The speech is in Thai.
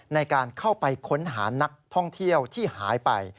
ในการเข้าไปค้นหานักท่องเที่ยวที่หายไป